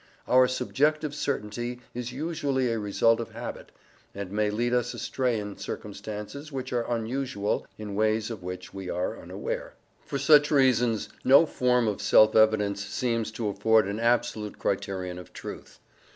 Our subjective certainty is usually a result of habit, and may lead us astray in circumstances which are unusual in ways of which we are unaware. For such reasons, no form of self evidence seems to afford an absolute criterion of truth.